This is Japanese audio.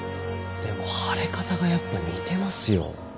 でも腫れ方がやっぱ似てますよ。